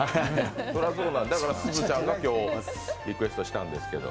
だから、すずちゃんが今日、リクエストしたんですけど。